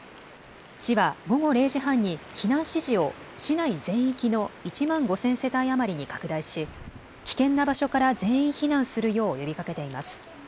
市は午後０時半に避難指示を市内全域の１万５０００世帯余りに拡大し危険な場所から全員避難するよう呼びかけています。